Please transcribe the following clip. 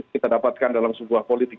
kita dapatkan dalam sebuah politik